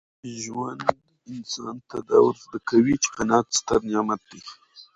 ژوند انسان ته دا ور زده کوي چي قناعت ستر نعمت دی.